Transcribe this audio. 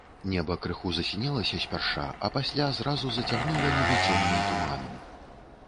Неба крыху засінелася спярша, а пасля зразу зацягнула нібы цёмным туманам.